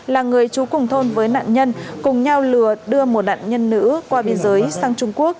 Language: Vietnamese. là người trú cùng thôn với nạn nhân cùng nhau lừa đưa một nạn nhân nữ qua biên giới sang trung quốc